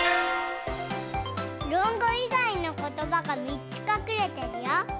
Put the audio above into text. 「ろんご」いがいのことばが３つかくれてるよ。